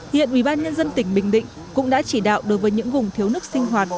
hiện ủy ban nhân dân tỉnh bình định cũng đã chỉ đạo đối với những vùng thiếu nước sinh hoạt